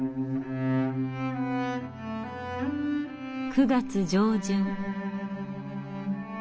９月上旬。